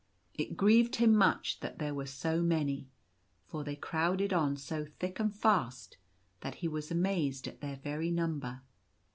It grieved him much that there were so many; for they crowded on so thick and fast that he was amazed at their very number.